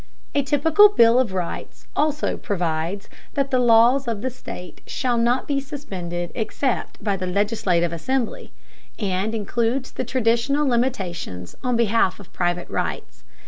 A typical bill of rights also provides that the laws of the state shall not be suspended except by the legislative assembly, and includes the traditional limitations on behalf of private rights.